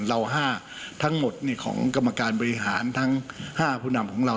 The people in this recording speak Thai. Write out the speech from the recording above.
๕ทั้งหมดของกรรมการบริหารทั้ง๕ผู้นำของเรา